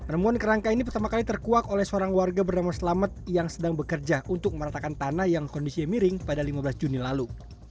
remuan kerangka ini pertama kali terkuak oleh seorang warga bernama selamat yang sedang bekerja untuk meratakan tanah yang kondisinya miring pada lima belas juni lalu